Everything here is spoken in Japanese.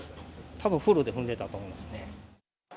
たぶんフルで踏んでたと思いますね。